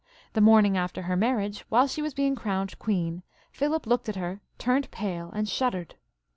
The morning after her marriage, while she was being crowned queen, Philip looked at her, turned pale, and shuddered.